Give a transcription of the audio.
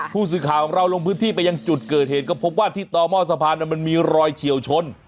ผู้สื่อข่าวของเราลงพื้นที่ไปยังจุดเกิดเหตุก็พบว่าที่ต่อหม้อสะพานมันมีรอยเฉียวชน